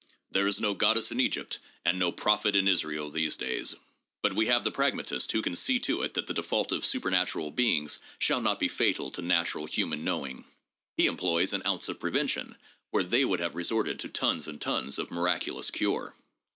There is no goddess in Egypt and no prophet in Israel in these days. But we have the pragmatist who can see to it that the default of supernatural beings shall not be fatal to natural human knowing. He employs an ounce of prevention where they would have resorted to tons and tons of miraculous cure.